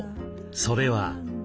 それは。